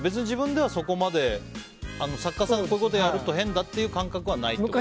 自分ではそこまで作家さんがこういうことやると変だという感覚はないと？